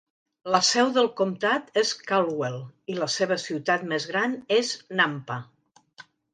La seu del comtat és Caldwell, i la seva ciutat més gran és Nampa.